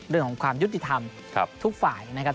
เรื่องของความยุติธรรมทุกฝ่ายนะครับ